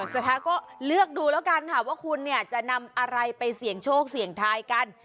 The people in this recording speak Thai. สุดท้ายก็เลือกดูแล้วกันค่ะว่าคุณเนี่ยจะนำอะไรไปเสี่ยงโชคเสี่ยงทายกัน